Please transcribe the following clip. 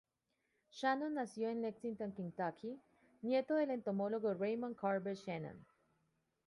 Shannon nació en Lexington, Kentucky, nieto del entomólogo Raymond Corbett Shannon.